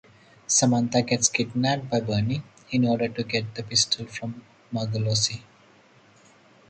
Samantha gets kidnapped by Bernie in order to get the pistol from Margolese.